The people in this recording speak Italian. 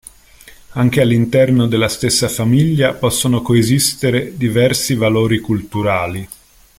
Anche all'interno della stessa famiglia possono coesistere diversi valori culturali.